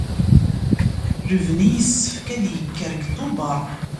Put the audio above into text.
Lebni yessefk ad yekker deg Tubeṛ.